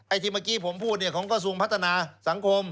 ที่เมื่อกี้ผมพูดเนี่ยของกระทรวงพัฒนาสังคม